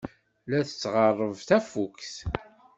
La tɣerreb tafukt.